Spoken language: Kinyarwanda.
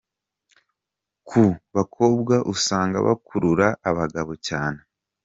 Ku bakobwa usanga bakurura abagabo cyane.